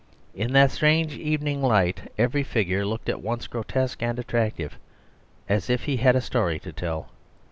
In that strange evening light every figure looked at once grotesque and attractive, as if he had a story to tell.